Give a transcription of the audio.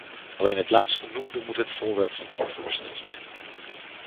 Alleen het laatstgenoemde moet het voorwerp van dit voorstel zijn.